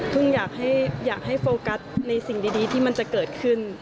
อยากให้โฟกัสในสิ่งดีที่มันจะเกิดขึ้น